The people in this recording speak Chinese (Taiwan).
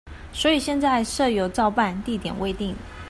所以現在社遊照辦地點未定